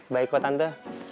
baik kok tante